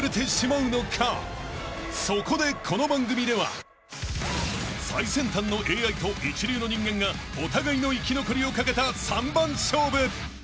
［そこでこの番組では最先端のＡＩと一流の人間がお互いの生き残りを懸けた３番勝負］